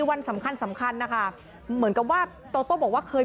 วันสำคัญนะคะเหมือนกับว่าต้องก็บอกว่าเคย